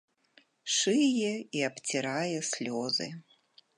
Шые і абцірае слёзы.